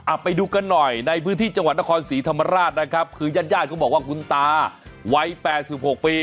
อ่ะไปดูกันหน่อยในพื้นที่จังหวัดนครศรีธรรมราชนะครับคือย่างญาติก็บอกว่าคุณตาไว้๘๖ปี